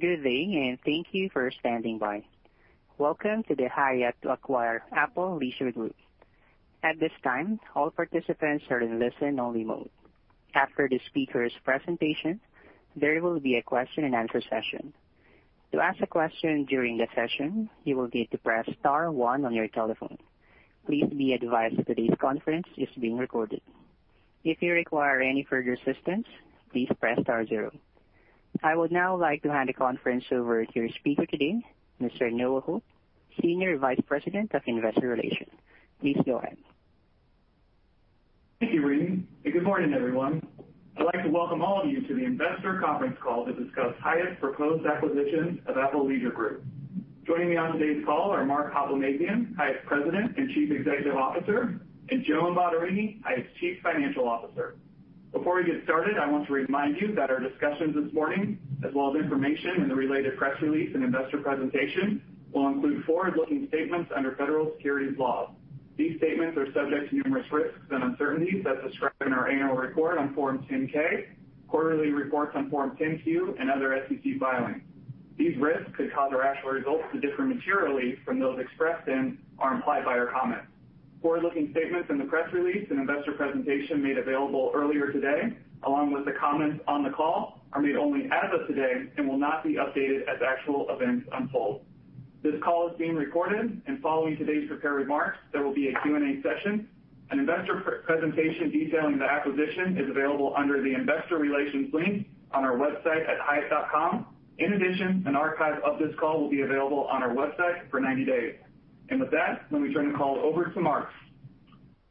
Good evening and thank you for standing by. Welcome to the Hyatt Acquire Apple Leisure Group. At this time, all participants are in listen-only mode. After the speaker's presentation, there will be a question-and-answer session. To ask a question during the session, you will need to press star one on your telephone. Please be advised that today's conference is being recorded. If you require any further assistance, please press star zero. I would now like to hand the conference over to your speaker today, Mr. Noah Hoppe, Senior Vice President of Investor Relations. Please go ahead. Thank you, Reid. Good morning, everyone. I'd like to welcome all of you to the investor conference call to discuss Hyatt's proposed acquisition of Apple Leisure Group. Joining me on today's call are Mark Hoplamazian, Hyatt's President and Chief Executive Officer, and Joan Bottarini, Hyatt's Chief Financial Officer. Before we get started, I want to remind you that our discussions this morning, as well as information in the related press release and investor presentation, will include forward-looking statements under federal securities law. These statements are subject to numerous risks and uncertainties as described in our annual report on Form 10-K, quarterly reports on Form 10-Q, and other SEC filings. These risks could cause our actual results to differ materially from those expressed in or implied by our comments. Forward-looking statements in the press release and investor presentation made available earlier today, along with the comments on the call, are made only as of today and will not be updated as actual events unfold. This call is being recorded, and following today's prepared remarks, there will be a Q&A session. An investor presentation detailing the acquisition is available under the investor relations link on our website at hyatt.com. In addition, an archive of this call will be available on our website for 90 days. With that, let me turn the call over to Mark.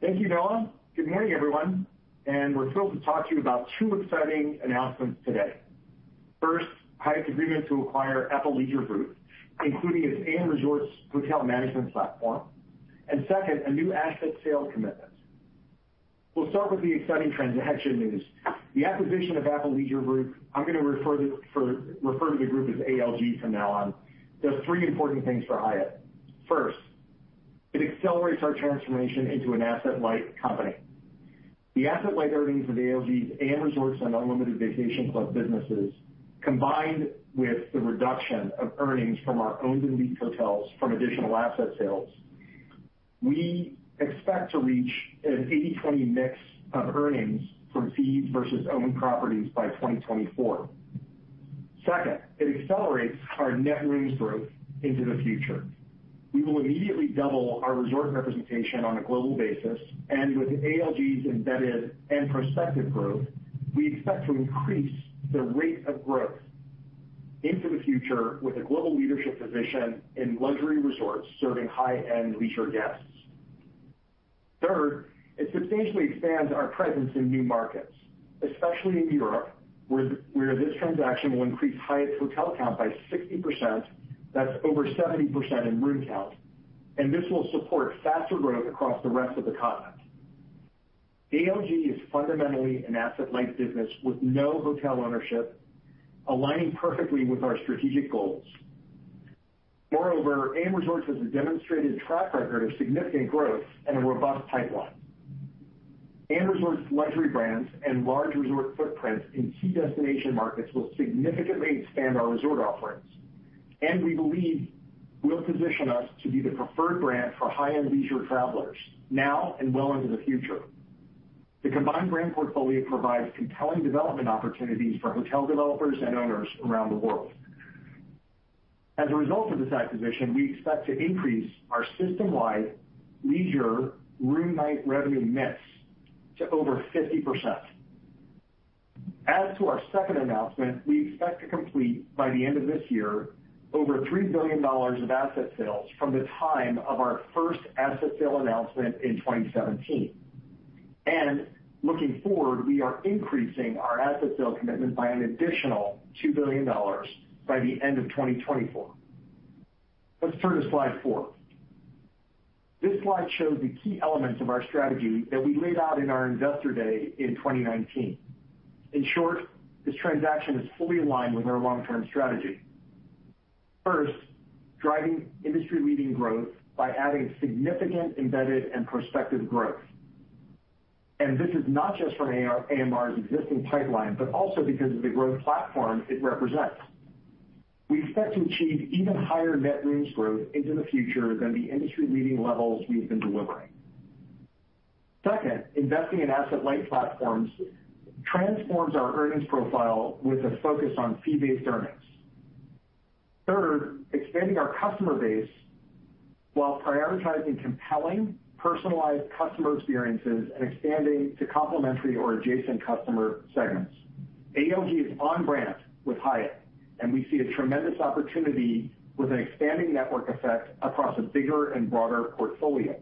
Thank you, Noah. Good morning, everyone. We're thrilled to talk to you about two exciting announcements today. First, Hyatt's agreement to acquire Apple Leisure Group, including its AMResorts hotel anagement platform. Second, a new asset sales commitment. We'll start with the exciting transaction news. The acquisition of Apple Leisure Group, I'm going to refer to the group as ALG from now on, does three important things for Hyatt. First, it accelerates our transformation into an asset-light company. The asset-light earnings of ALG's AMResorts and Unlimited Vacation Club businesses, combined with the reduction of earnings from our owned-and-leased hotels from additional asset sales, we expect to reach an 80/20 mix of earnings from fees versus owned properties by 2024. Second, it accelerates our net rooms growth into the future. We will immediately double our resort representation on a global basis, and with ALG's embedded and prospective growth, we expect to increase the rate of growth into the future with a global leadership position in luxury resorts serving high-end leisure guests. Third, it substantially expands our presence in new markets, especially in Europe, where this transaction will increase Hyatt's hotel count by 60%. That's over 70% in room count. This will support faster growth across the rest of the continent. ALG is fundamentally an asset-light business with no hotel ownership, aligning perfectly with our strategic goals. Moreover, AMResorts has a demonstrated track record of significant growth and a robust pipeline. AMResorts' luxury brands and large resort footprints in key destination markets will significantly expand our resort offerings. We believe we'll position us to be the preferred brand for high-end leisure travelers now and well into the future. The combined brand portfolio provides compelling development opportunities for hotel developers and owners around the world. As a result of this acquisition, we expect to increase our system-wide leisure room night revenue mix to over 50%. As to our second announcement, we expect to complete by the end of this year over $3 billion of asset sales from the time of our first asset sale announcement in 2017. Looking forward, we are increasing our asset sale commitment by an additional $2 billion by the end of 2024. Let's turn to slide four. This slide shows the key elements of our strategy that we laid out in our investor day in 2019. In short, this transaction is fully aligned with our long-term strategy. First, driving industry-leading growth by adding significant embedded and prospective growth. This is not just from AMR's existing pipeline, but also because of the growth platform it represents. We expect to achieve even higher net rooms growth into the future than the industry-leading levels we've been delivering. Second, investing in asset-light platforms transforms our earnings profile with a focus on fee-based earnings. Third, expanding our customer base while prioritizing compelling, personalized customer experiences and expanding to complementary or adjacent customer segments. ALG is on-brand with Hyatt, and we see a tremendous opportunity with an expanding network effect across a bigger and broader portfolio.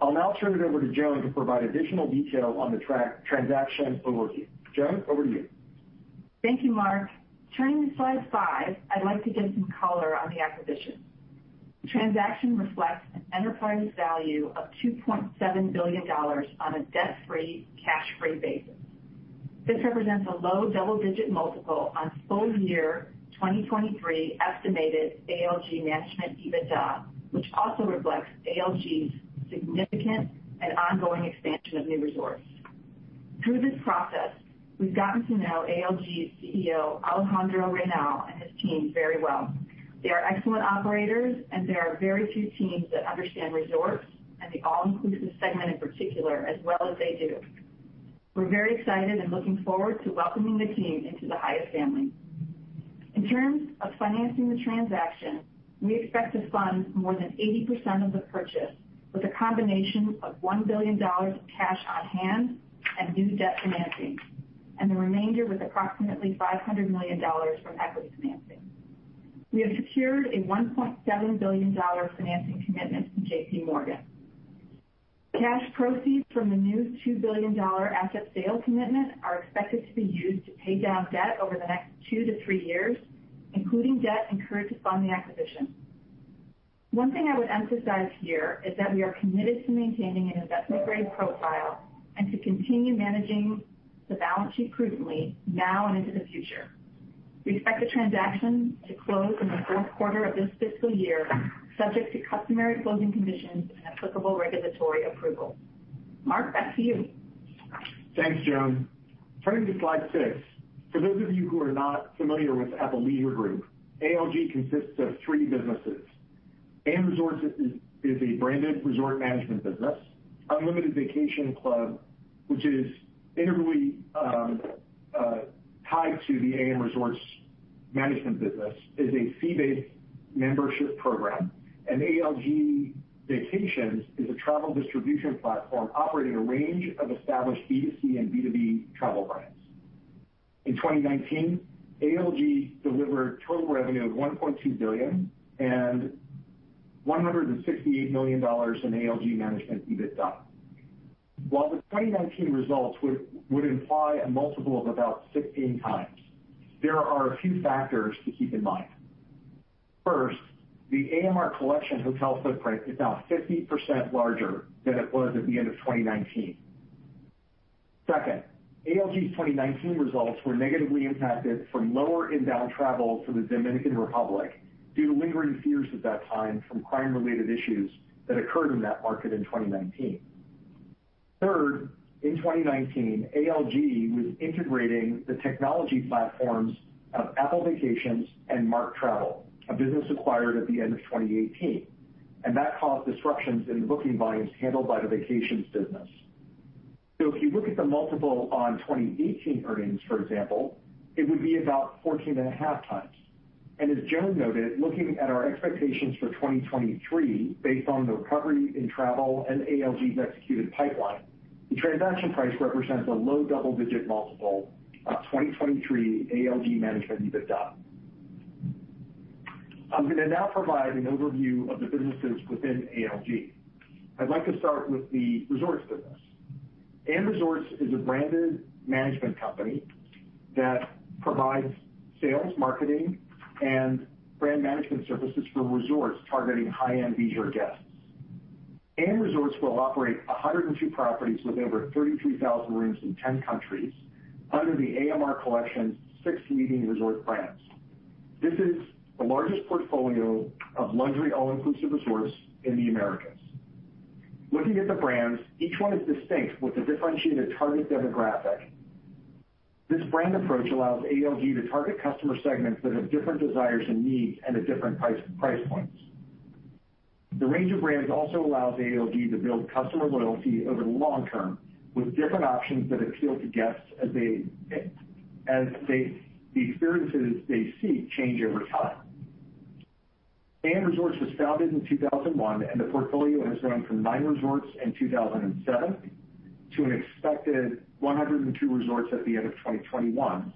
I'll now turn it over to Joan to provide additional detail on the transaction overview. Joan, over to you. Thank you, Mark. Turning to slide five, I'd like to give some color on the acquisition. The transaction reflects an enterprise value of $2.7 billion on a debt-free, cash-free basis. This represents a low double-digit multiple on full-year 2023 estimated ALG management EBITDA, which also reflects ALG's significant and ongoing expansion of new resorts. Through this process, we've gotten to know ALG's CEO, Alejandro Reynal, and his team very well. They are excellent operators, and there are very few teams that understand resorts and the all-inclusive segment in particular as well as they do. We're very excited and looking forward to welcoming the team into the Hyatt family. In terms of financing the transaction, we expect to fund more than 80% of the purchase with a combination of $1 billion of cash on hand and new debt financing, and the remainder with approximately $500 million from equity financing. We have secured a $1.7 billion financing commitment from JPMorgan. Cash proceeds from the new $2 billion asset sales commitment are expected to be used to pay down debt over the next two-three years, including debt incurred to fund the acquisition. One thing I would emphasize here is that we are committed to maintaining an investment-grade profile and to continue managing the balance sheet prudently now and into the future. We expect the transaction to close in the fourth quarter of this fiscal year, subject to customary closing conditions and applicable regulatory approval. Mark, back to you. Thanks, Joan. Turning to slide six. For those of you who are not familiar with Apple Leisure Group, ALG consists of three businesses. AMResorts is a branded resort management business. Unlimited Vacation Club, which is integrally tied to the AMResorts management business, is a fee-based membership program. ALG Vacations is a travel distribution platform operating a range of established B2C and B2B travel brands. In 2019, ALG delivered total revenue of $1.2 billion and $168 million in ALG management EBITDA. While the 2019 results would imply a multiple of about 16x, there are a few factors to keep in mind. First, the AMR Collection hotel footprint is now 50% larger than it was at the end of 2019. Second, ALG's 2019 results were negatively impacted from lower inbound travel to the Dominican Republic due to lingering fears at that time from crime-related issues that occurred in that market in 2019. Third, in 2019, ALG was integrating the technology platforms of Apple Vacations and Mark Travel, a business acquired at the end of 2018. That caused disruptions in the booking volumes handled by the vacations business. If you look at the multiple on 2018 earnings, for example, it would be about 14.5x. As Joan noted, looking at our expectations for 2023, based on the recovery in travel and ALG's executed pipeline, the transaction price represents a low double-digit multiple of 2023 ALG management EBITDA. I'm going to now provide an overview of the businesses within ALG. I'd like to start with the resorts business. AMResorts is a branded management company that provides sales, marketing, and brand management services for resorts targeting high-end leisure guests. AMResorts will operate 102 properties with over 33,000 rooms in 10 countries under the AMR Collection's six leading resort brands. This is the largest portfolio of luxury all-inclusive resorts in the Americas. Looking at the brands, each one is distinct with a differentiated target demographic. This brand approach allows ALG to target customer segments that have different desires and needs and at different price points. The range of brands also allows ALG to build customer loyalty over the long term with different options that appeal to guests as the experiences they seek change over time. AMResorts was founded in 2001, and the portfolio has grown from nine resorts in 2007 to an expected 102 resorts at the end of 2021,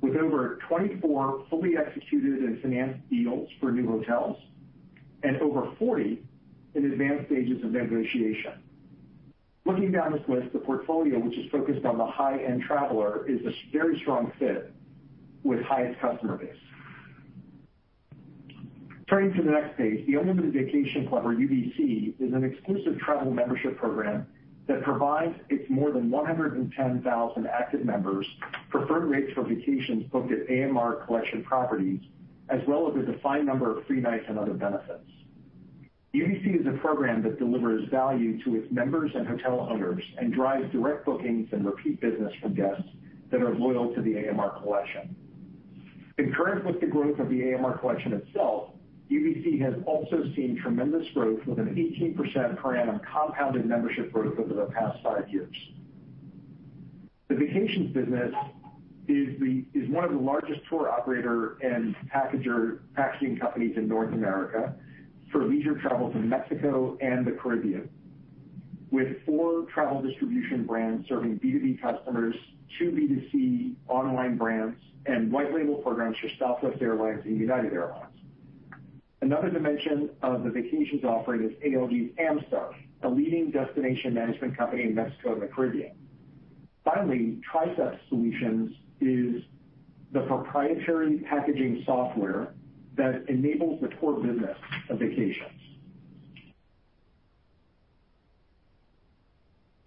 with over 24 fully executed and financed deals for new hotels and over 40 in advanced stages of negotiation. Looking down this list, the portfolio, which is focused on the high-end traveler, is a very strong fit with Hyatt's customer base. Turning to the next page, the Unlimited Vacation Club, or UVC, is an exclusive travel membership program that provides its more than 110,000 active members preferred rates for vacations booked at AMR Collection properties, as well as a defined number of free nights and other benefits. UVC is a program that delivers value to its members and hotel owners and drives direct bookings and repeat business from guests that are loyal to the AMR Collection. In current, with the growth of the AMR Collection itself, UVC has also seen tremendous growth with an 18% per annum compounded membership growth over the past five years. The vacations business is one of the largest tour operator and packaging companies in North America for leisure travel to Mexico and the Caribbean, with four travel distribution brands serving B2B customers, two B2C online brands, and white label programs for Southwest Airlines and United Airlines. Another dimension of the vacations offering is ALG's Amstar, a leading destination management company in Mexico and the Caribbean. Finally, Trisept Solutions is the proprietary packaging software that enables the tour business of vacations.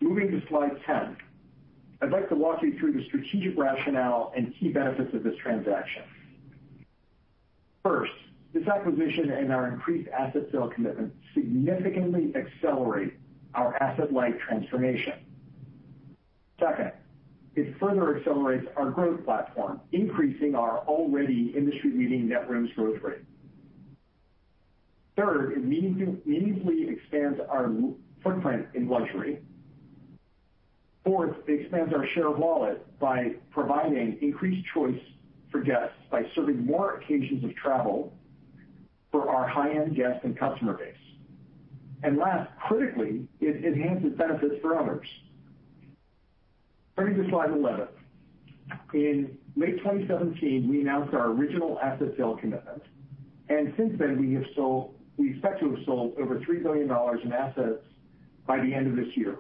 Moving to slide 10, I'd like to walk you through the strategic rationale and key benefits of this transaction. First, this acquisition and our increased asset sale commitment significantly accelerate our asset-light transformation. Second, it further accelerates our growth platform, increasing our already industry-leading net rooms growth rate. Third, it meaningfully expands our footprint in luxury. Fourth, it expands our share of wallet by providing increased choice for guests by serving more occasions of travel for our high-end guest and customer base. Last, critically, it enhances benefits for owners. Turning to slide 11, in late 2017, we announced our original asset sale commitment. Since then, we expect to have sold over $3 billion in assets by the end of this year.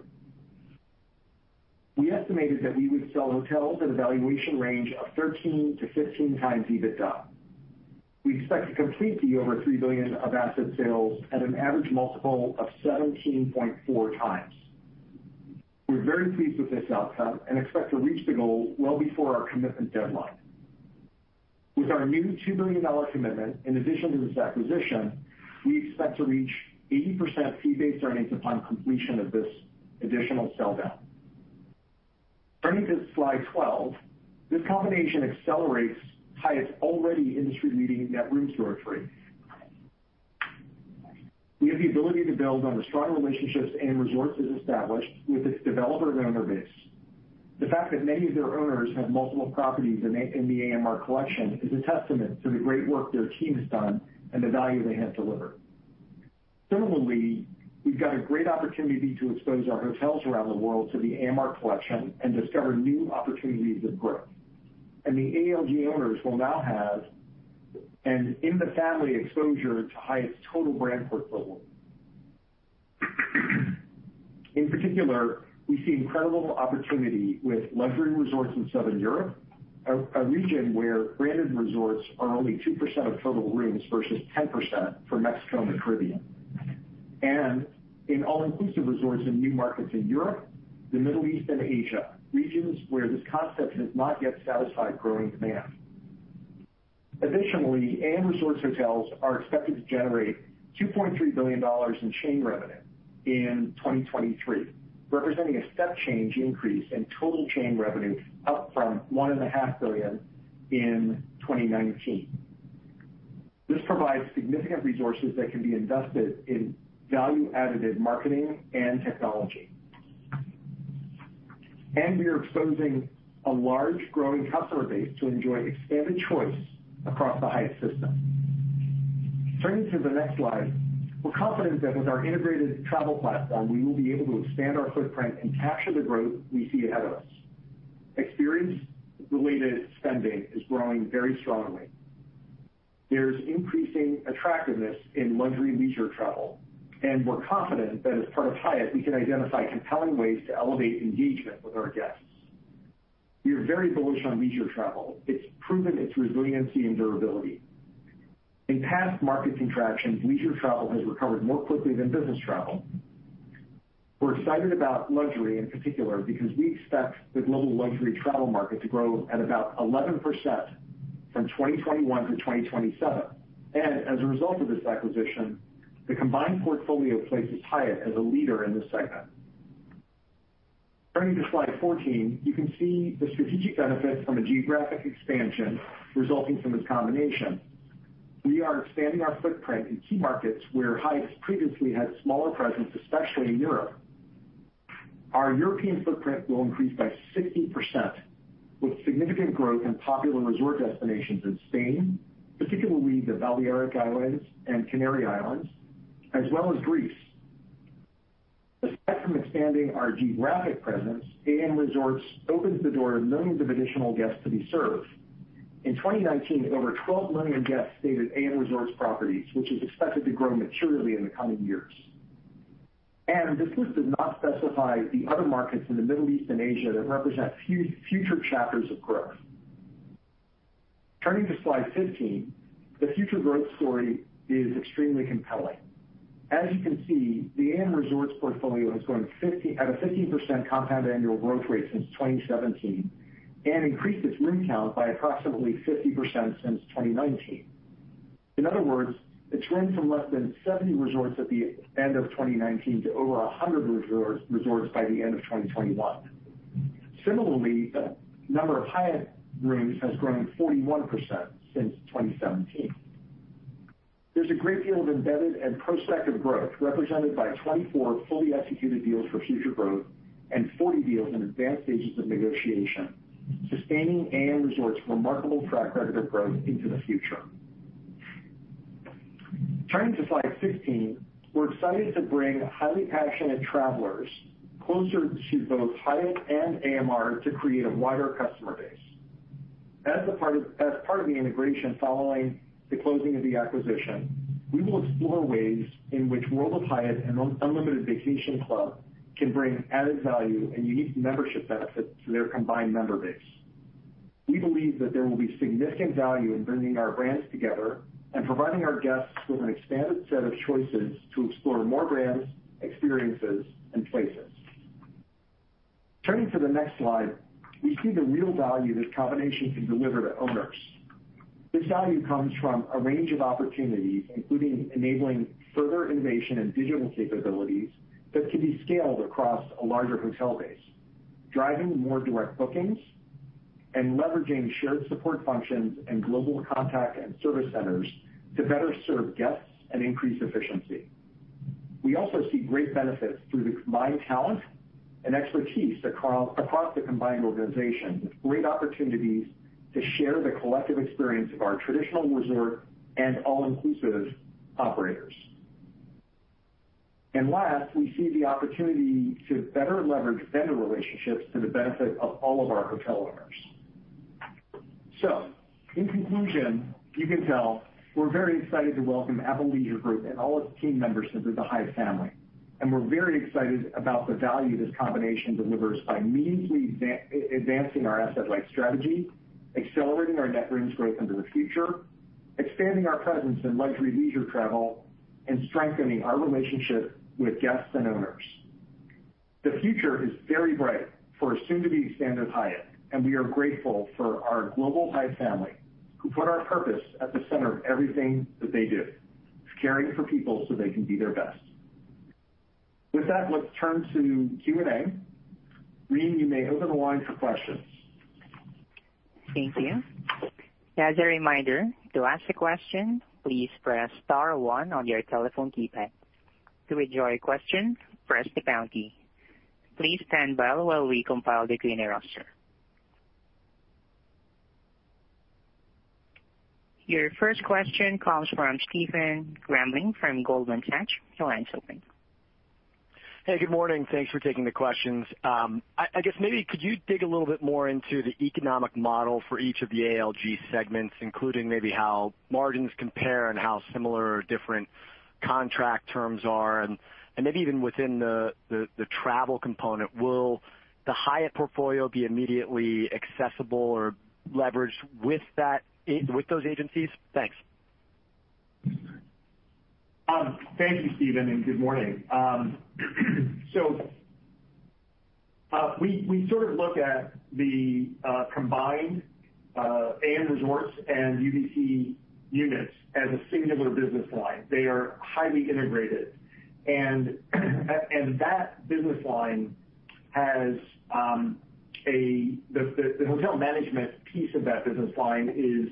We estimated that we would sell hotels at a valuation range of 13x-15x EBITDA. We expect to complete the over $3 billion of asset sales at an average multiple of 17.4x. We are very pleased with this outcome and expect to reach the goal well before our commitment deadline. With our new $2 billion commitment, in addition to this acquisition, we expect to reach 80% fee-based earnings upon completion of this additional sell-down. Turning to slide 12, this combination accelerates Hyatt's already industry-leading net rooms growth rate. We have the ability to build on the strong relationships AMResorts has established with its developer and owner base. The fact that many of their owners have multiple properties in the AMR Collection is a testament to the great work their team has done and the value they have delivered. Similarly, we've got a great opportunity to expose our hotels around the world to the AMR Collection and discover new opportunities of growth. The ALG owners will now have an in-the-family exposure to Hyatt's total brand portfolio. In particular, we see incredible opportunity with luxury resorts in Southern Europe, a region where branded resorts are only 2% of total rooms versus 10% for Mexico and the Caribbean. In all-inclusive resorts in new markets in Europe, the Middle East, and Asia, regions where this concept has not yet satisfied growing demand. Additionally, AMResorts Hotels are expected to generate $2.3 billion in chain revenue in 2023, representing a step change increase in total chain revenue up from $1.5 billion in 2019. This provides significant resources that can be invested in value-added marketing and technology. We are exposing a large growing customer base to enjoy expanded choice across the Hyatt system. Turning to the next slide, we're confident that with our integrated travel platform, we will be able to expand our footprint and capture the growth we see ahead of us. Experience-related spending is growing very strongly. There's increasing attractiveness in luxury leisure travel. And we're confident that as part of Hyatt, we can identify compelling ways to elevate engagement with our guests. We are very bullish on leisure travel. It's proven its resiliency and durability. In past market contractions, leisure travel has recovered more quickly than business travel. We're excited about luxury in particular because we expect the global luxury travel market to grow at about 11% from 2021 -2027. As a result of this acquisition, the combined portfolio places Hyatt as a leader in this segment. Turning to slide 14, you can see the strategic benefits from a geographic expansion resulting from this combination. We are expanding our footprint in key markets where Hyatt previously had smaller presence, especially in Europe. Our European footprint will increase by 60%, with significant growth in popular resort destinations in Spain, particularly the Balearic Islands and Canary Islands, as well as Greece. Aside from expanding our geographic presence, AMResorts opens the door to millions of additional guests to be served. In 2019, over 12 million guests stayed at AMResorts properties, which is expected to grow materially in the coming years. This list does not specify the other markets in the Middle East and Asia that represent future chapters of growth. Turning to slide 15, the future growth story is extremely compelling. As you can see, the AMResorts portfolio has grown at a 15% compound annual growth rate since 2017 and increased its room count by approximately 50% since 2019. In other words, it's grown from less than 70 resorts at the end of 2019 to over 100 resorts by the end of 2021. Similarly, the number of Hyatt rooms has grown 41% since 2017. There's a great deal of embedded and prospective growth represented by 24 fully executed deals for future growth and 40 deals in advanced stages of negotiation, sustaining AMResorts' remarkable track record of growth into the future. Turning to slide 16, we're excited to bring highly passionate travelers closer to both Hyatt and AMR to create a wider customer base. As part of the integration following the closing of the acquisition, we will explore ways in which World of Hyatt and Unlimited Vacation Club can bring added value and unique membership benefits to their combined member base. We believe that there will be significant value in bringing our brands together and providing our guests with an expanded set of choices to explore more brands, experiences, and places. Turning to the next slide, we see the real value this combination can deliver to owners. This value comes from a range of opportunities, including enabling further innovation and digital capabilities that can be scaled across a larger hotel base, driving more direct bookings, and leveraging shared support functions and global contact and service centers to better serve guests and increase efficiency. We also see great benefits through the combined talent and expertise across the combined organization, with great opportunities to share the collective experience of our traditional resort and all-inclusive operators. Last, we see the opportunity to better leverage vendor relationships to the benefit of all of our hotel owners. In conclusion, you can tell we're very excited to welcome Apple Leisure Group and all its team members into the Hyatt family. We're very excited about the value this combination delivers by meaningfully advancing our asset-light strategy, accelerating our net rooms growth into the future, expanding our presence in luxury leisure travel, and strengthening our relationship with guests and owners. The future is very bright for a soon-to-be expanded Hyatt, and we are grateful for our global Hyatt family who put our purpose at the center of everything that they do, caring for people so they can be their best. With that, let's turn to Q&A. Reen, you may open the line for questions. Thank you. As a reminder, to ask a question, please press star one on your telephone keypad. To withdraw your question, press the pound key. Please stand by while we compile the Q&A roster. Your first question comes from Stephen Grambling from Goldman Sachs. Your line is open. Hey, good morning. Thanks for taking the questions. I guess maybe could you dig a little bit more into the economic model for each of the ALG segments, including maybe how margins compare and how similar or different contract terms are, and maybe even within the travel component. Will the Hyatt portfolio be immediately accessible or leveraged with those agencies? Thanks. Thank you, Stephen, and good morning. We sort of look at the combined AMResorts and UVC units as a singular business line. They are highly integrated. That business line has a—the hotel management piece of that business line is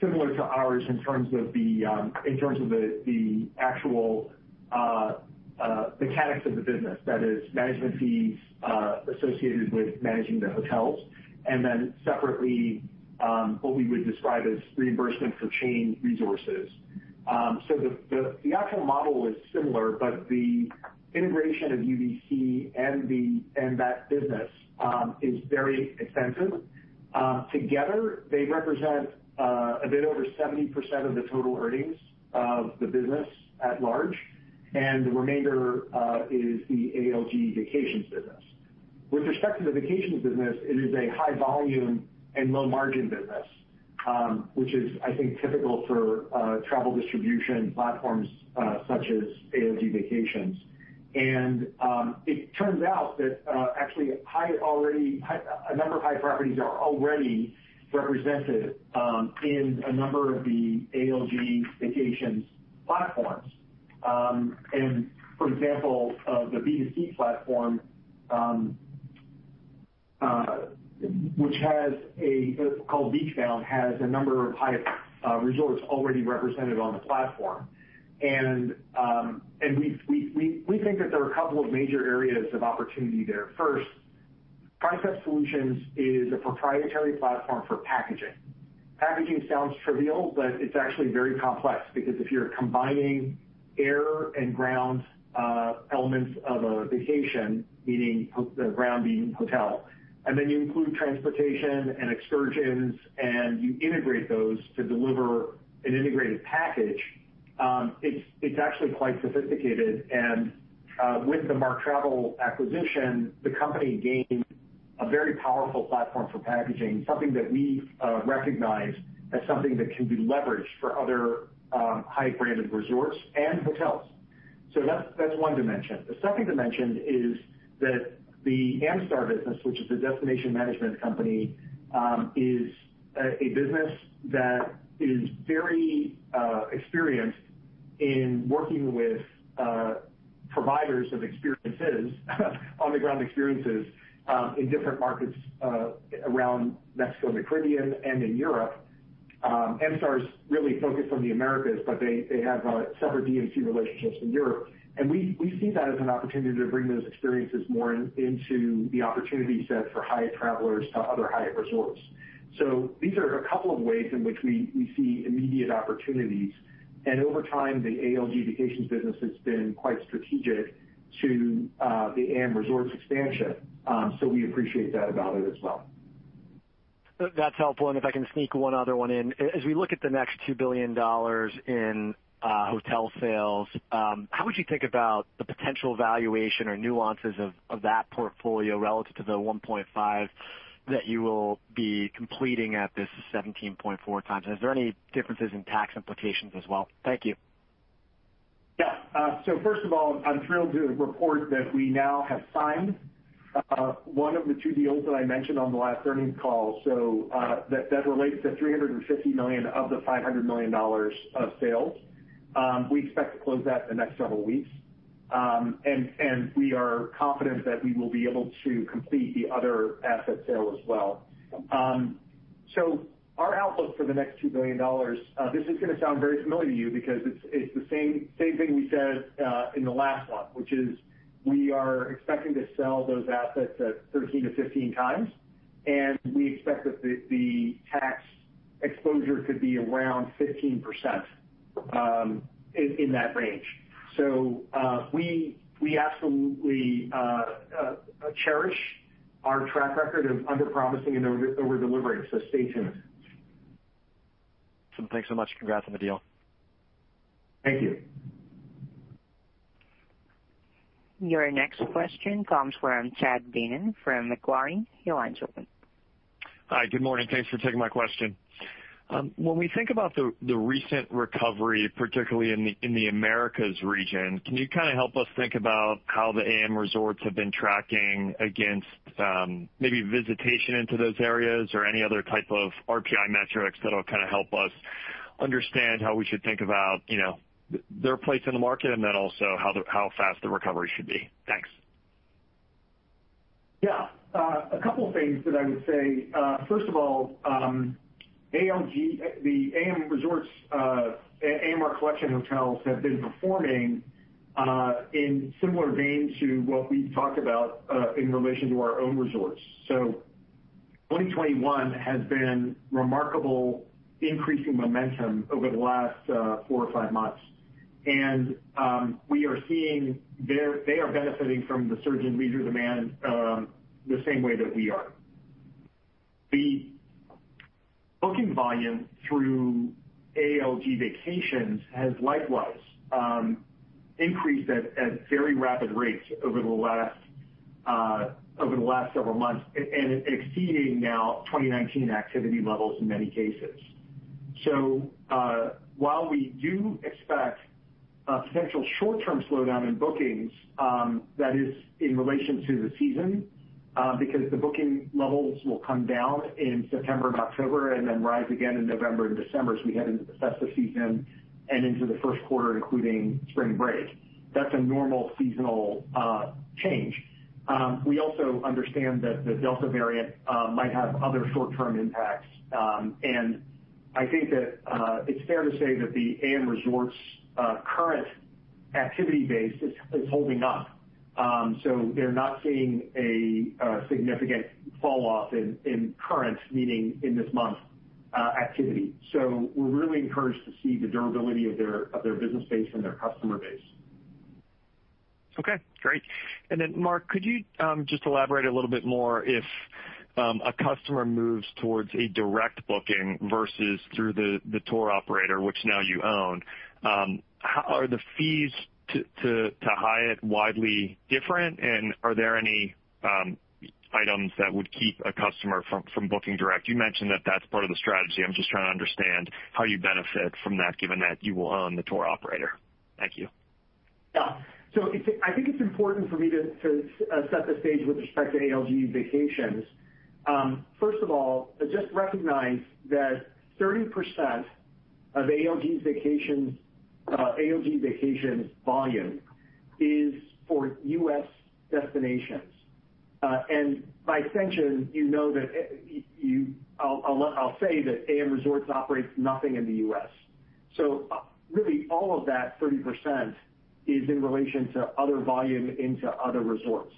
similar to ours in terms of the actual mechanics of the business. That is, management fees associated with managing the hotels, and then separately, what we would describe as reimbursement for chain resources. The actual model is similar, but the integration of UVC and that business is very expensive. Together, they represent a bit over 70% of the total earnings of the business at large, and the remainder is the ALG Vacations business. With respect to the vacations business, it is a high-volume and low-margin business, which is, I think, typical for travel distribution platforms such as ALG Vacations. It turns out that actually a number of Hyatt properties are already represented in a number of the ALG Vacations platforms. For example, the B2C platform, which is called BeachBound, has a number of Hyatt Resorts already represented on the platform. We think that there are a couple of major areas of opportunity there. First, Trisept Solutions is a proprietary platform for packaging. Packaging sounds trivial, but it's actually very complex because if you're combining air and ground elements of a vacation, meaning the ground being hotel, and then you include transportation and excursions and you integrate those to deliver an integrated package, it's actually quite sophisticated. With the Mark Travel acquisition, the company gained a very powerful platform for packaging, something that we recognize as something that can be leveraged for other high-branded resorts and hotels. That's one dimension. The second dimension is that the Amstar business, which is a destination management company, is a business that is very experienced in working with providers of experiences, on-the-ground experiences in different markets around Mexico and the Caribbean and in Europe. Amstar is really focused on the Americas, but they have separate DMC relationships in Europe. We see that as an opportunity to bring those experiences more into the opportunity set for Hyatt travelers to other Hyatt resorts. These are a couple of ways in which we see immediate opportunities. Over time, the ALG Vacations business has been quite strategic to the AMResorts expansion. We appreciate that about it as well. That's helpful. If I can sneak one other one in, as we look at the next $2 billion in hotel sales, how would you think about the potential valuation or nuances of that portfolio relative to the $1.5 billion that you will be completing at this 17.4x? Is there any differences in tax implications as well? Thank you. Yeah. First of all, I'm thrilled to report that we now have signed one of the two deals that I mentioned on the last earnings call. That relates to $350 million of the $500 million of sales. We expect to close that in the next several weeks. We are confident that we will be able to complete the other asset sale as well. Our outlook for the next $2 billion, this is going to sound very familiar to you because it's the same thing we said in the last one, which is we are expecting to sell those assets at 13x-15x. We expect that the tax exposure could be around 15% in that range. We absolutely cherish our track record of underpromising and over-delivering. Stay tuned. Thanks so much. Congrats on the deal. Thank you. Your next question comes from Chad Beynon from Macquarie [Group]. Your line is open. Hi, good morning. Thanks for taking my question. When we think about the recent recovery, particularly in the Americas region, can you kind of help us think about how the AMResorts have been tracking against maybe visitation into those areas or any other type of RPI metrics that will kind of help us understand how we should think about their place in the market and then also how fast the recovery should be? Thanks. Yeah. A couple of things that I would say. First of all, the AMResorts and AMR Collection hotels have been performing in similar veins to what we've talked about in relation to our own resorts. 2021 has been remarkable, increasing momentum over the last four-five months. We are seeing they are benefiting from the surge in leisure demand the same way that we are. The booking volume through ALG Vacations has likewise increased at very rapid rates over the last several months and exceeding now 2019 activity levels in many cases. While we do expect a potential short-term slowdown in bookings, that is in relation to the season because the booking levels will come down in September-October and then rise again in November-December as we head into the festive season and into the first quarter, including spring break. That is a normal seasonal change. We also understand that the Delta variant might have other short-term impacts. I think that it is fair to say that the AMResorts' current activity base is holding up. They are not seeing a significant falloff in current, meaning in this month, activity. We are really encouraged to see the durability of their business base and their customer base. Okay. Great. Mark, could you just elaborate a little bit more? If a customer moves towards a direct booking versus through the tour operator, which now you own, are the fees to Hyatt widely different? Are there any items that would keep a customer from booking direct? You mentioned that is part of the strategy. I am just trying to understand how you benefit from that, given that you will own the tour operator. Thank you. Yeah. I think it is important for me to set the stage with respect to ALG Vacations. First of all, just recognize that 30% of ALG Vacations' volume is for U.S. destinations. By extension, you know that I will say that AMResorts operates nothing in the U.S. Really, all of that 30% is in relation to other volume into other resorts.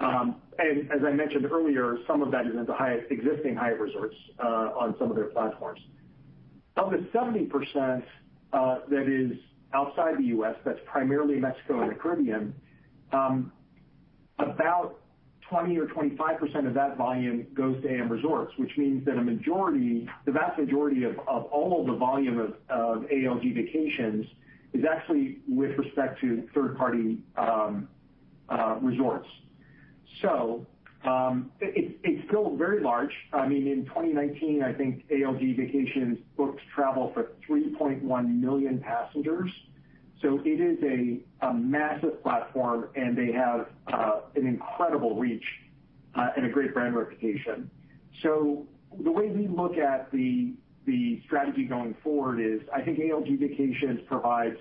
As I mentioned earlier, some of that is into existing Hyatt Resorts on some of their platforms. Of the 70% that is outside the U.S., that's primarily Mexico and the Caribbean, about 20%-25% of that volume goes to AMResorts, which means that the vast majority of all of the volume of ALG Vacations is actually with respect to third-party resorts. It is still very large. I mean, in 2019, I think ALG Vacations booked travel for 3.1 million passengers. It is a massive platform, and they have an incredible reach and a great brand reputation. The way we look at the strategy going forward is I think ALG Vacations provides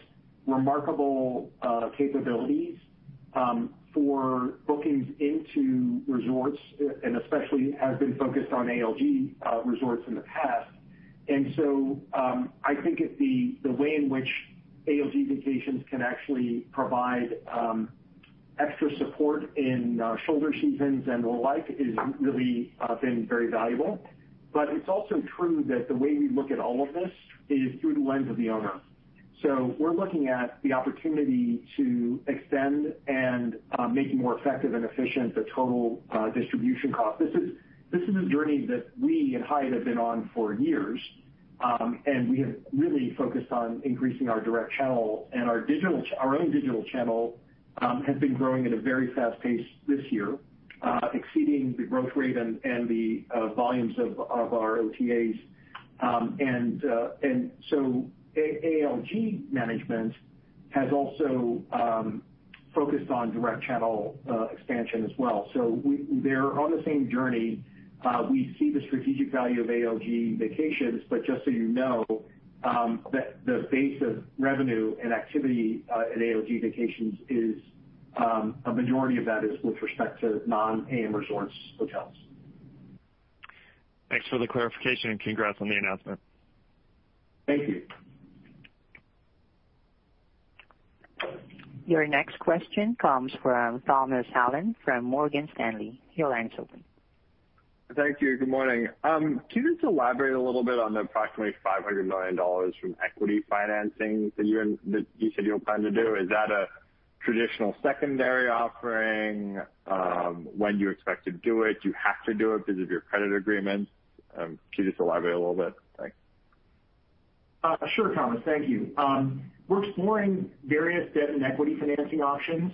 remarkable capabilities for bookings into resorts, and especially has been focused on ALG resorts in the past. I think the way in which ALG Vacations can actually provide extra support in shoulder seasons and the like has really been very valuable. It is also true that the way we look at all of this is through the lens of the owner. We are looking at the opportunity to extend and make more effective and efficient the total distribution cost. This is a journey that we at Hyatt have been on for years. We have really focused on increasing our direct channel. Our own digital channel has been growing at a very fast pace this year, exceeding the growth rate and the volumes of our OTAs. ALG management has also focused on direct channel expansion as well. They are on the same journey. We see the strategic value of ALG Vacations. Just so you know, the base of revenue and activity at ALG Vacations is a majority of that is with respect to non-AMResorts hotels. Thanks for the clarification. Congrats on the announcement. Thank you. Your next question comes from Thomas Hallen from Morgan Stanley. Your line is open. Thank you. Good morning. Can you just elaborate a little bit on the approximately $500 million from equity financing that you said you'll plan to do? Is that a traditional secondary offering? When do you expect to do it? Do you have to do it because of your credit agreement? Can you just elaborate a little bit? Thanks. Sure, Thomas. Thank you. We're exploring various debt and equity financing options,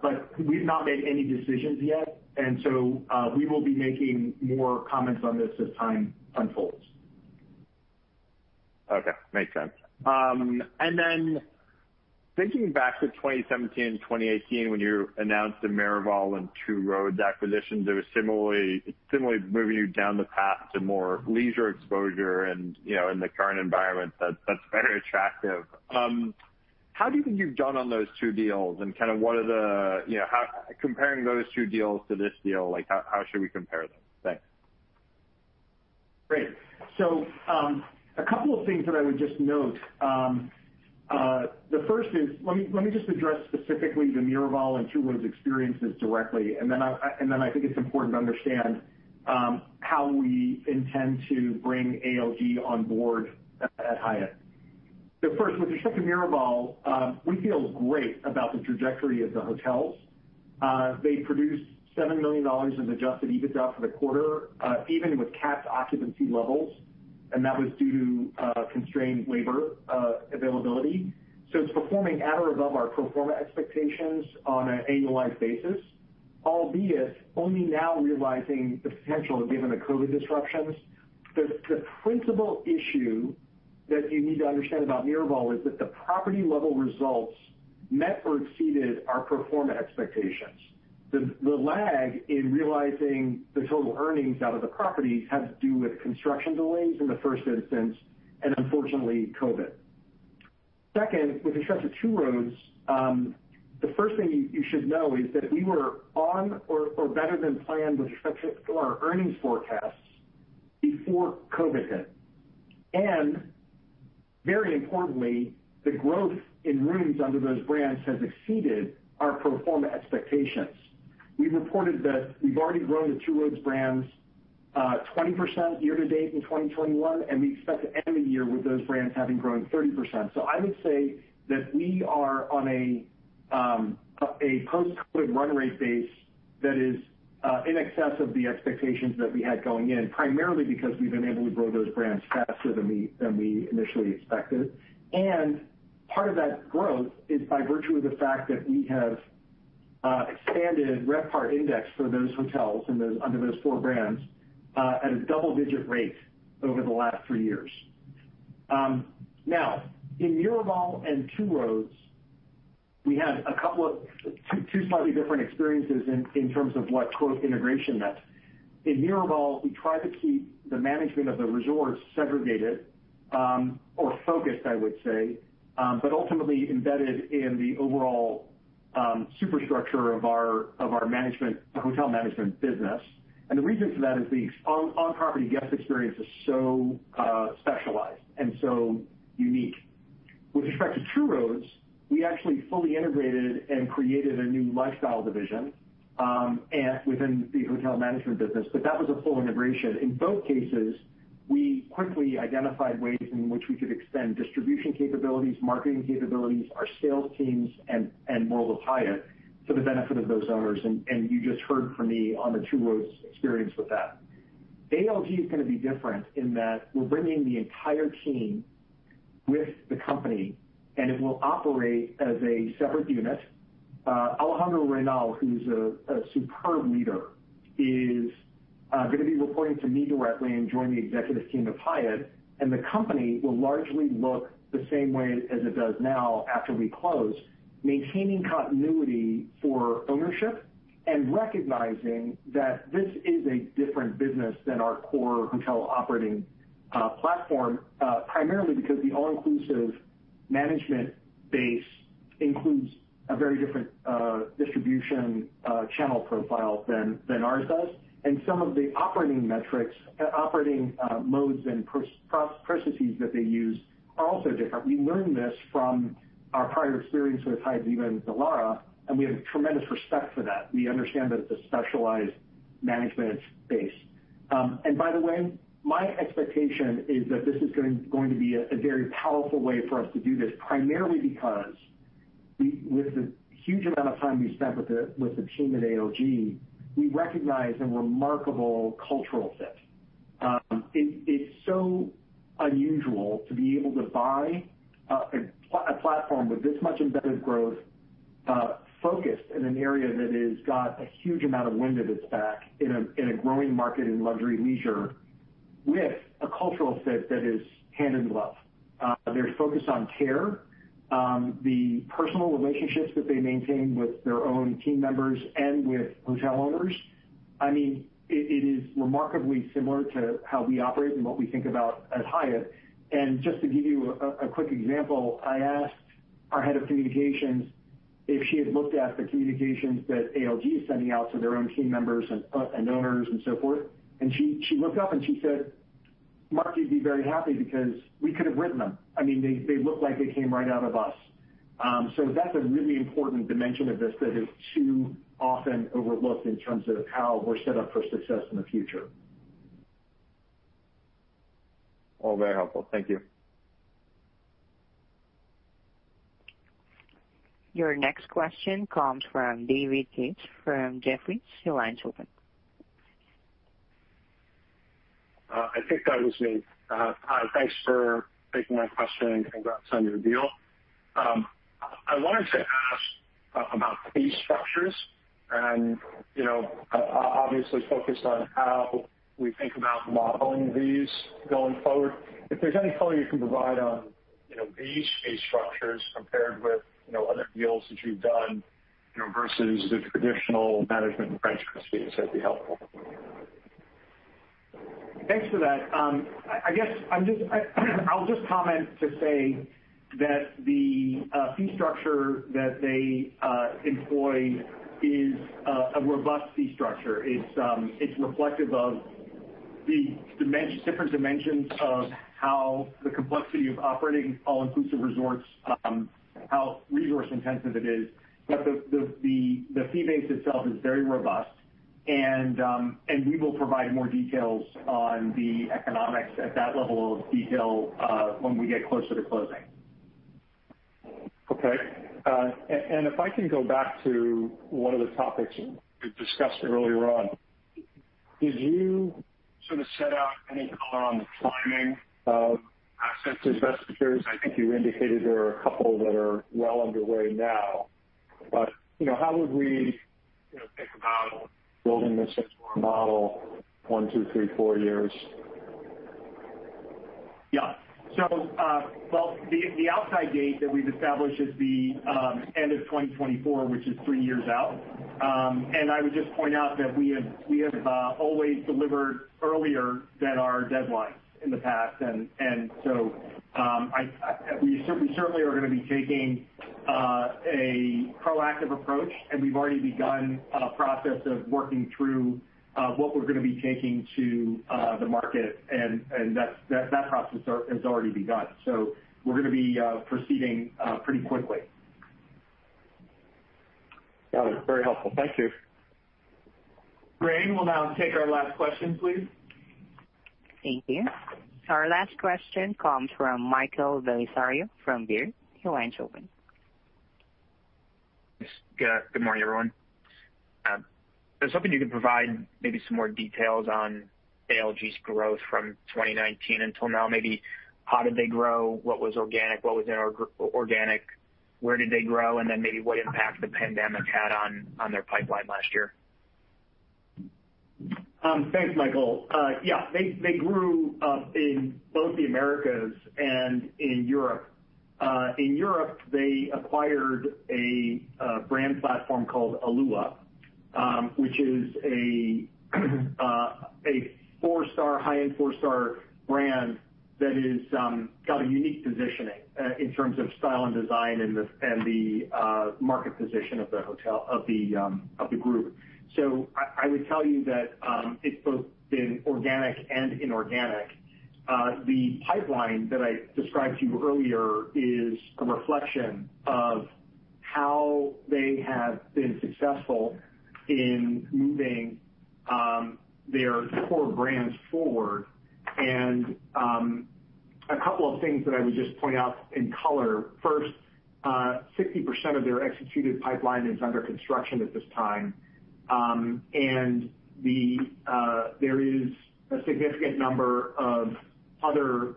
but we've not made any decisions yet. We will be making more comments on this as time unfolds. Okay. Makes sense. Thinking back to 2017-2018 when you announced the Miraval and Two Roads acquisitions, it was similarly moving you down the path to more leisure exposure. In the current environment, that's very attractive. How do you think you've done on those two deals? And kind of what are the comparing those two deals to this deal? How should we compare them? Thanks. Great. A couple of things that I would just note. The first is, let me just address specifically the Miraval and Two Roads experiences directly. I think it's important to understand how we intend to bring ALG on board at Hyatt. First, with respect to Miraval, we feel great about the trajectory of the hotels. They produced $7 million of adjusted EBITDA for the quarter, even with capped occupancy levels. That was due to constrained labor availability. It's performing at or above our pro forma expectations on an annualized basis, albeit only now realizing the potential given the COVID disruptions. The principal issue that you need to understand about Miraval is that the property-level results met or exceeded our pro forma expectations. The lag in realizing the total earnings out of the property had to do with construction delays in the first instance and, unfortunately, COVID. Second, with respect to Two Roads, the first thing you should know is that we were on or better than planned with respect to our earnings forecasts before COVID hit. Very importantly, the growth in rooms under those brands has exceeded our pro forma expectations. We reported that we've already grown the Two Roads brands 20% year-to-date in 2021, and we expect to end the year with those brands having grown 30%. I would say that we are on a post-COVID run rate base that is in excess of the expectations that we had going in, primarily because we've been able to grow those brands faster than we initially expected. Part of that growth is by virtue of the fact that we have expanded RevPAR Index for those hotels under those four brands at a double-digit rate over the last three years. Now, in Miraval and Two Roads, we had a couple of slightly different experiences in terms of what growth integration meant. In Miraval, we tried to keep the management of the resorts segregated or focused, I would say, but ultimately embedded in the overall superstructure of our hotel management business. The reason for that is the on-property guest experience is so specialized and so unique. With respect to Two Roads, we actually fully integrated and created a new lifestyle division within the hotel management business, but that was a full integration. In both cases, we quickly identified ways in which we could extend distribution capabilities, marketing capabilities, our sales teams, and World of Hyatt to the benefit of those owners. You just heard from me on the Two Roads experience with that. ALG is going to be different in that we're bringing the entire team with the company, and it will operate as a separate unit. Alejandro Reynal, who's a superb leader, is going to be reporting to me directly and join the executive team of Hyatt. The company will largely look the same way as it does now after we close, maintaining continuity for ownership and recognizing that this is a different business than our core hotel operating platform, primarily because the all-inclusive management base includes a very different distribution channel profile than ours does. Some of the operating metrics, operating modes, and processes that they use are also different. We learned this from our prior experience with Hyatt Zilara, and we have tremendous respect for that. We understand that it's a specialized management base. By the way, my expectation is that this is going to be a very powerful way for us to do this, primarily because with the huge amount of time we spent with the team at ALG, we recognize a remarkable cultural fit. It's so unusual to be able to buy a platform with this much embedded growth focused in an area that has got a huge amount of wind at its back in a growing market in luxury leisure with a cultural fit that is hand-in-glove. They're focused on care, the personal relationships that they maintain with their own team members and with hotel owners. I mean, it is remarkably similar to how we operate and what we think about at Hyatt. Just to give you a quick example, I asked our head of communications if she had looked at the communications that ALG is sending out to their own team members and owners and so forth. She looked up and she said, "Mark, you'd be very happy because we could have written them." I mean, they look like they came right out of us. That's a really important dimension of this that is too often overlooked in terms of how we're set up for success in the future. Very helpful. Thank you. Your next question comes from David Kitz from Jefferies. Your line is open. I think that was me. Hi. Thanks for taking my question and sending the deal. I wanted to ask about fee structures and obviously focus on how we think about modeling these going forward. If there's any color you can provide on these fee structures compared with other deals that you've done versus the traditional management branch fees, that'd be helpful. Thanks for that. I guess I'll just comment to say that the fee structure that they employ is a robust fee structure. It's reflective of the different dimensions of how the complexity of operating all-inclusive resorts, how resource-intensive it is. The fee base itself is very robust. We will provide more details on the economics at that level of detail when we get closer to closing. Okay. If I can go back to one of the topics we discussed earlier on, did you sort of set out any color on the timing of asset investors? I think you indicated there are a couple that are well underway now. How would we think about building this into our model one-four years? The outside date that we have established is the end of 2024, which is three years out. I would just point out that we have always delivered earlier than our deadlines in the past. We certainly are going to be taking a proactive approach. We have already begun a process of working through what we are going to be taking to the market. That process has already begun. We are going to be proceeding pretty quickly. Got it. Very helpful. Thank you. Gray, you will now take our last question, please. Thank you. Our last question comes from Michael Bellisario from Baird. Your line is open. Good morning, everyone. If there is something you could provide, maybe some more details on ALG's growth from 2019 until now, maybe how did they grow, what was organic, what was inorganic, where did they grow, and then maybe what impact the pandemic had on their pipeline last year. Thanks, Michael. Yeah. They grew in both the Americas and in Europe. In Europe, they acquired a brand platform called Alua, which is a four-star, high-end four-star brand that has got a unique positioning in terms of style and design and the market position of the group. I would tell you that it's both been organic and inorganic. The pipeline that I described to you earlier is a reflection of how they have been successful in moving their core brands forward. A couple of things that I would just point out in color. First, 60% of their executed pipeline is under construction at this time. There is a significant number of other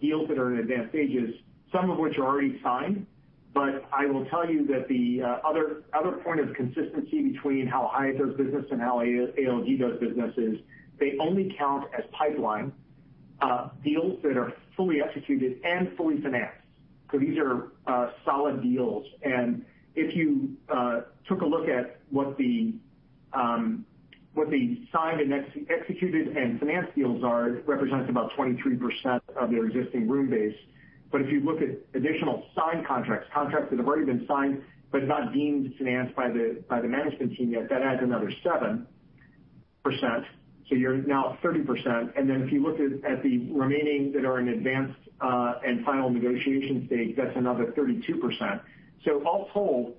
deals that are in advanced stages, some of which are already signed. I will tell you that the other point of consistency between how Hyatt does business and how ALG does business is they only count as pipeline deals that are fully executed and fully financed. These are solid deals. If you took a look at what the signed, executed, and financed deals are, it represents about 23% of their existing room base. If you look at additional signed contracts, contracts that have already been signed but not deemed financed by the management team yet, that adds another 7%. You are now at 30%. If you look at the remaining that are in advanced and final negotiation stage, that is another 32%. All told,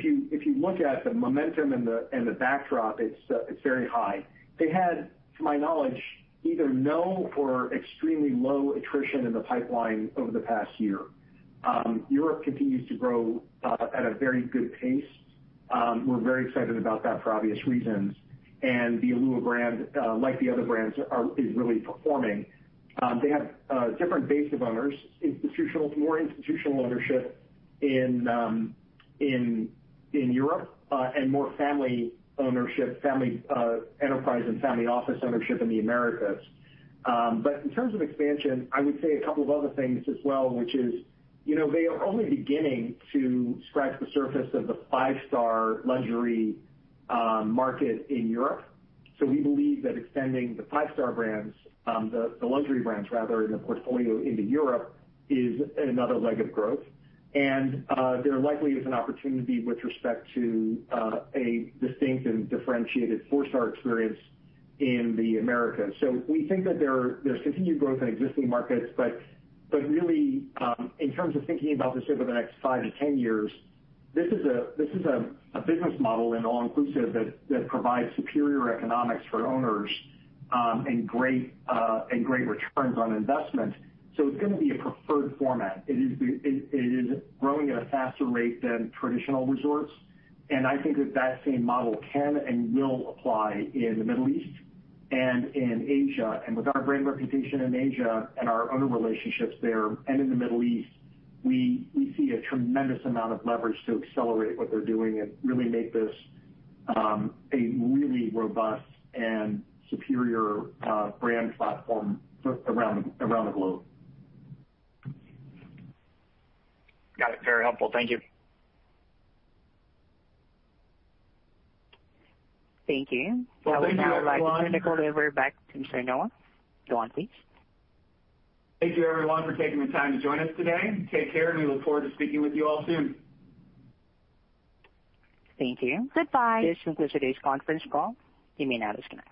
if you look at the momentum and the backdrop, it is very high. They had, to my knowledge, either no or extremely low attrition in the pipeline over the past year. Europe continues to grow at a very good pace. We are very excited about that for obvious reasons. The Alua brand, like the other brands, is really performing. They have different base of owners, more institutional ownership in Europe and more family ownership, family enterprise, and family office ownership in the Americas. In terms of expansion, I would say a couple of other things as well, which is they are only beginning to scratch the surface of the five-star luxury market in Europe. We believe that extending the five-star brands, the luxury brands, rather, in the portfolio into Europe is another leg of growth. There likely is an opportunity with respect to a distinct and differentiated four-star experience in the Americas. We think that there's continued growth in existing markets. Really, in terms of thinking about this over the next 5-10 years, this is a business model in all-inclusive that provides superior economics for owners and great returns on investment. It's going to be a preferred format. It is growing at a faster rate than traditional resorts. I think that that same model can and will apply in the Middle East and in Asia. With our brand reputation in Asia and our owner relationships there and in the Middle East, we see a tremendous amount of leverage to accelerate what they're doing and really make this a really robust and superior brand platform around the globe. Got it. Very helpful. Thank you. Thank you. Thank you, everyone. We'll hand it over back to Mr. Noah. Go on, please. Thank you, everyone, for taking the time to join us today. Take care, and we look forward to speaking with you all soon. Thank you. Goodbye. This concludes today's conference call. You may now disconnect.